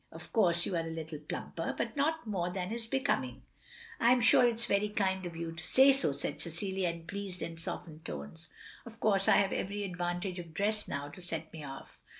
Of course you are a little plumper. But not more than is becoming. "" I 'm sure it 's very kind of you to say so, " said Cecilia, in pleased and softened tones. " Of course I have every advantage of dress now to set me off.